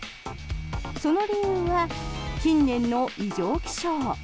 その理由は近年の異常気象。